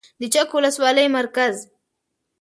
د چک ولسوالۍ مرکز